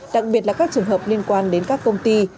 đặc biệt là các trường hợp liên quan đến các công ty